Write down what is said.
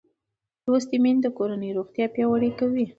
لوستې میندې د کورنۍ روغتیا پیاوړې کوي